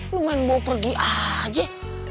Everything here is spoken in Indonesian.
lo main bawa pergi aja